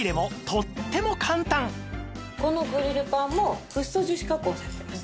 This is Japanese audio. このグリルパンもフッ素樹脂加工されてます。